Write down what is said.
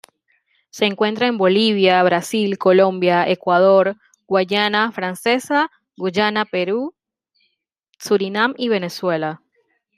Se encuentra en Bolivia, Brasil, Colombia, Ecuador, Guayana Francesa, Guyana, Perú, Surinam y Venezuela.